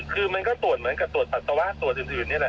คือมันก็ตรวจเหมือนกับตรวจปัสสาวะตรวจอื่นนี่แหละ